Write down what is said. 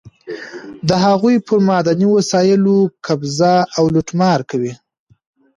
د هغوی پر معدني وسایلو قبضه او لوټمار کوي.